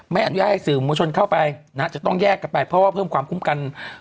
ไม่อนุญาตให้สื่อมวลชนเข้าไปนะฮะจะต้องแยกกันไปเพราะว่าเพิ่มความคุ้มกัน